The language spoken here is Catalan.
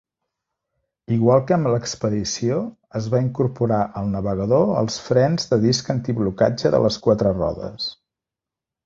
Igual que amb l'expedició, es va incorporar el navegador als frens de disc antiblocatge de les quatre rodes.